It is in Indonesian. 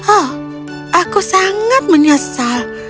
oh aku sangat menyesal